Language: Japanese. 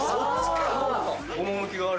趣がある。